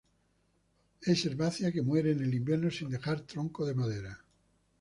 Es herbácea, que muere en el invierno sin dejar tronco de madera.